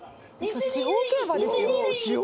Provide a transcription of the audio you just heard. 地方競馬ですよ。